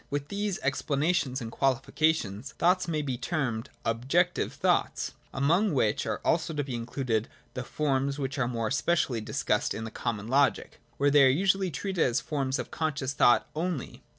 24.] With these explanations and qualifications, thoughts may be termed Objective Thoughts, — among which are also to be included the forms which are more especially discussed in the common logic, where they are usually treated as forms of conscious thought only.